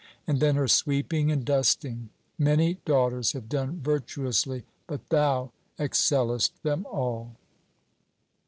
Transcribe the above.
And then her sweeping and dusting! "Many daughters have done virtuously, but thou excellest them all!"